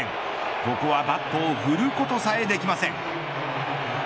ここはバットを振ることさえできません。